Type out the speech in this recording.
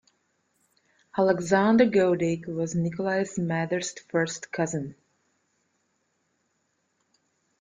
Alexander Goedicke was Nikolai Medtner's first cousin.